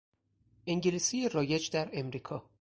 انگلیسی رایج در امریکا